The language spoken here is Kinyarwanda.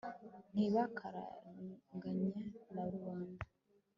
ntibakarenganye na rubanda